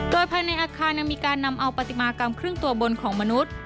โดยภายในอาคารยังมีการนำเอาปฏิมากรรมครึ่งตัวบนของมนุษย์